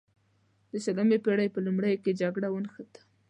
د شلمې پیړۍ په لومړیو کې جګړه ونښته.